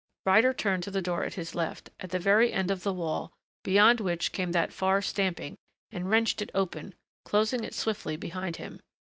Ryder turned to the door at his left, at the very end of the wall beyond which came that far stamping, and wrenched it open, closing it swiftly behind him.